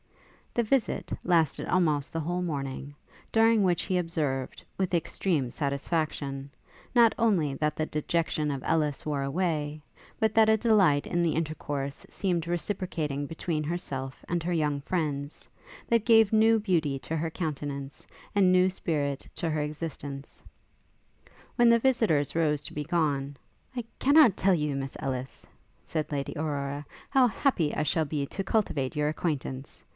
The visit lasted almost the whole morning, during which he observed, with extreme satisfaction, not only that the dejection of Ellis wore away, but that a delight in the intercourse seemed reciprocating between herself and her young friends, that gave new beauty to her countenance, and new spirit to her existence. When the visitors rose to be gone, 'I cannot tell you, Miss Ellis,' said Lady Aurora, 'how happy I shall be to cultivate your acquaintance.